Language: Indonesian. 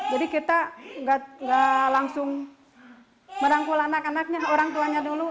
jadi kita nggak langsung merangkul anak anaknya orang tuanya dulu